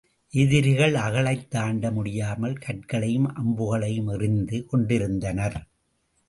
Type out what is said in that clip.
எதிரிகள் அகழைத் தாண்ட முடியாமல், கற்களையும் அம்புகளையும் எறிந்து கொண்டிருந்தனர்.